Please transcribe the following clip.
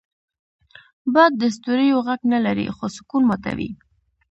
باد د ستوریو غږ نه لري، خو سکون ماتوي